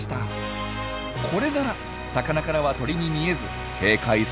これなら魚からは鳥に見えず警戒されなさそうです。